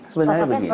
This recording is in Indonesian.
sosoknya seperti apa